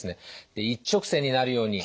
一直線になるように。